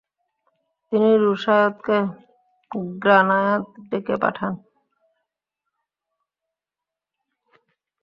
তিনি রুশায়দকে গ্রানাদায় ডেকে পাঠান।